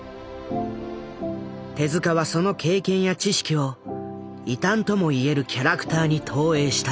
手はその経験や知識を異端ともいえるキャラクターに投影した。